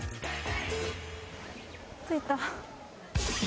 着いた。